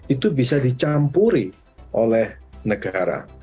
itu bisa dicampuri oleh negara